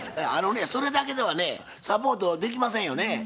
あのねそれだけではねサポートできませんよね？